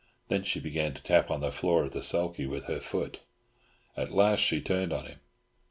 Then she began to tap on the floor of the sulky with her foot. At last she turned on him.